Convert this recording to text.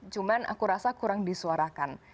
cuman aku rasa kurang disuarakan